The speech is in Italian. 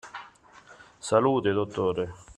Salute, dottore!